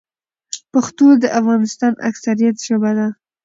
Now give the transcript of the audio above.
پښتو د افغانستان اکثريت ژبه ده.